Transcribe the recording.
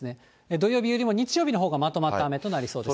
土曜日よりも日曜日のほうがまとまった雨となりそうです。